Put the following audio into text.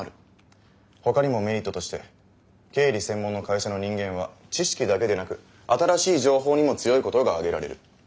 ほかにもメリットとして経理専門の会社の人間は知識だけでなく新しい情報にも強いことが挙げられる。